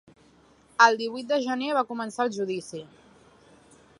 El divuit de gener va començar el judici.